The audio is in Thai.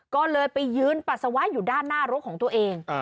ก็เลยไปยืนปัสสาวะอยู่ด้านหน้ารถของตัวเอง